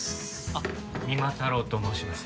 あっ三馬太郎と申します。